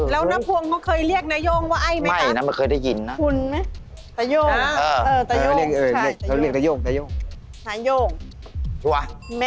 แล้วน้ำพวงเขาเคยเรียกในย่งวะไอ้เหรอครับ